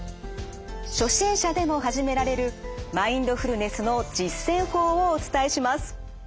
初心者でも始められるマインドフルネスの実践法をお伝えします。